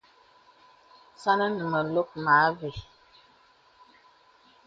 Sàknə məlɔk mə àvə.